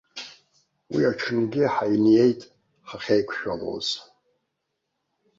Уи аҽынгьы ҳаиниеит ҳахьеиқәшәалоз.